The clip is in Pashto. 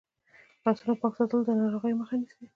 لاسونه پاک ساتل د ناروغیو مخه نیسي.